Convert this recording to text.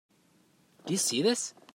Do you see this?